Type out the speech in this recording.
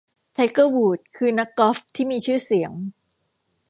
ไทเกอร์ วูดส์ คือนักกอล์ฟที่มีชื่อเสียง